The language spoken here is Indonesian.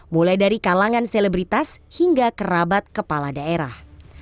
mulai dari kalangan selebritas hingga kerabat kepala daerah